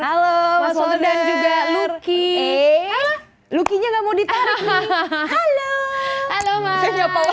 halo mas wolder dan juga lucky halo lucky nya gak mau ditarik nih halo halo mas